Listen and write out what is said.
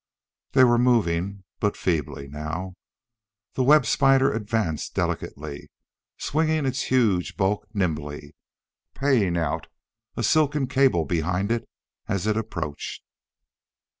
They were moving but feebly, now. The web spider advanced delicately, swinging its huge bulk nimbly, paying out a silken cable behind it as it approached.